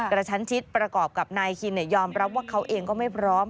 กระชั้นชิดประกอบกับนายคินยอมรับว่าเขาเองก็ไม่พร้อม